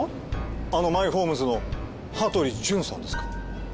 あの「マイホームズ」の羽鳥潤さんですか？